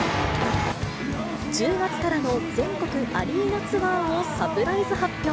１０月からの全国アリーナツアーをサプライズ発表。